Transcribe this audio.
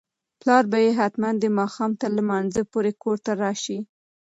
پلار به یې حتماً د ماښام تر لمانځه پورې کور ته راشي.